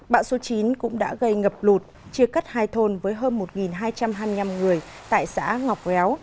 bão số chín cũng đã gây ngập lụt chia cắt hai thôn với hơn một hai trăm hai mươi năm người tại xã ngọc véo